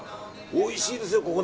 おいしいですよね、ここ。